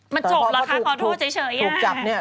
มันจบแล้วคะขอโทษเฉย